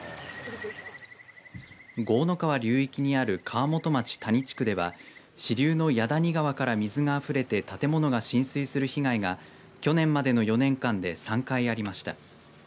江の川流域にある川本町谷地区では支流の矢谷川から水があふれて建物が浸水する被害が去年までの４年間で３回ありました。